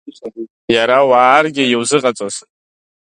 Иара уааргьы иузыҟаҵоз?